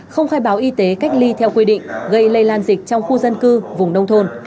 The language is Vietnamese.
không khai báo y tế cách ly theo quy định gây lây lan dịch trong khu dân cư vùng nông thôn